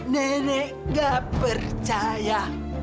nenek nggak percaya